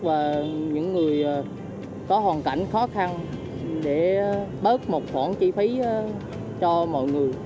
và những người có hoàn cảnh khó khăn để bớt một khoản chi phí cho mọi người